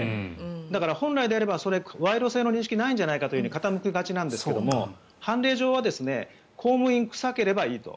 だから本来であれば賄賂性の認識はないじゃないかと傾きがちなんですけど判例上は公務員臭ければいいと。